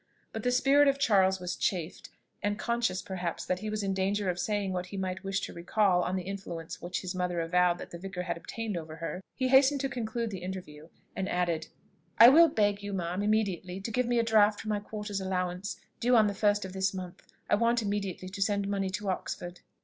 But the spirit of Charles was chafed; and conscious perhaps that he was in danger of saying what he might wish to recall on the influence which his mother avowed that the vicar had obtained over her, he hastened to conclude the interview, and added: "I will beg you ma'am, immediately to give me a draft for my quarter's allowance, due on the first of this month. I want immediately to send money to Oxford."